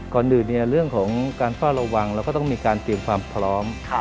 ก่อนอื่นเรื่องของการเฝ้าระวังเราก็ต้องมีการเตรียมความพร้อม